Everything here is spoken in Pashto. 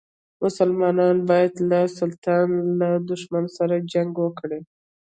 مسلمان باید له سلطان له دښمنانو سره جنګ وکړي.